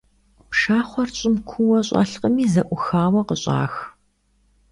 Пшахъуэр щӀым куууэ щӀэлъкъыми зэӀухауэ къыщӀах.